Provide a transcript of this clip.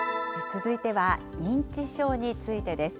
続いては、認知症についてです。